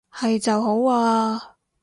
係就好啊